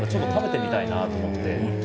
だから食べてみたいなと思って。